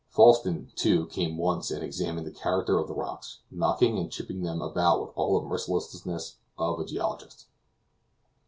Falsten, too, came once and examined the character of the rocks, knocking and chipping them about with all the mercilessness of a geologist.